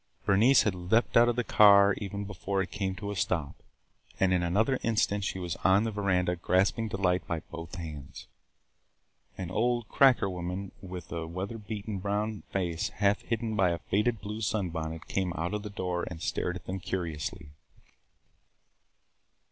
Bernice had leaped out of the car even before it came to a stop, and in another instant she was on the veranda grasping Delight by both hands. An old "cracker" woman with a weather beaten brown face half hidden by a faded blue sunbonnet came out of the door and stared at them curiously.